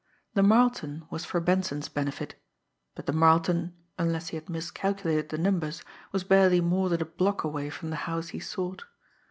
The Marleton was for Benson's benefit but the Marleton, unless he had miscalculated the numbers, was barely more than a block away from the house he sought.